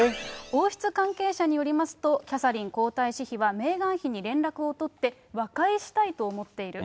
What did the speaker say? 王室関係者によりますと、キャサリン皇太子妃はメーガン妃に連絡を取って、和解したいと思っている。